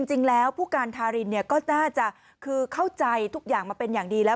จริงแล้วผู้การทารินก็น่าจะคือเข้าใจทุกอย่างมาเป็นอย่างดีแล้ว